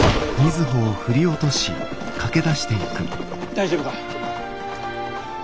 大丈夫か？